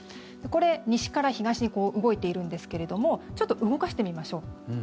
これ、西から東に動いているんですけれどもちょっと動かしてみましょう。